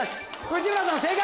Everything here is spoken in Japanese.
内村さん正解！